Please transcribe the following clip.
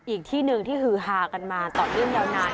อีกที่หนึ่งที่ฮือฮากันมาต่อเนื่องยาวนาน